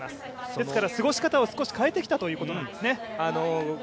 ですから過ごし方を少し変えてきたということなんですね。